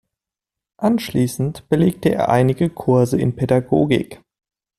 Anschließend belegte er einige Kurse in Pädagogik.